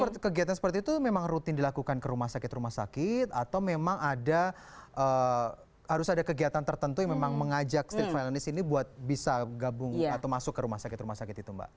tapi kegiatan seperti itu memang rutin dilakukan ke rumah sakit rumah sakit atau memang ada harus ada kegiatan tertentu yang memang mengajak step violenice ini buat bisa gabung atau masuk ke rumah sakit rumah sakit itu mbak